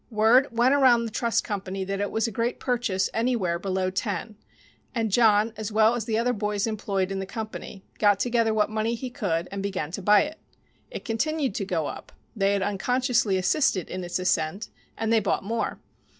Word went around the trust company that it was a great purchase anywhere below 10, and John, as well as the other boys employed in the company, got together what money he could and began to buy it. It continued to go up they had unconsciously assisted it in its ascent and they bought more.